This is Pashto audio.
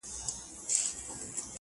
یوه خولگۍ خو مسته. راته جناب راکه.